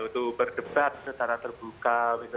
untuk berdebat secara terbuka